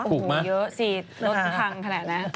ถูกไหมคะอ๋อโอ้โหเยอะสิรถที่พังขนาดนั้น